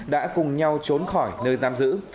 đã cùng nhau trốn khỏi nơi giam giữ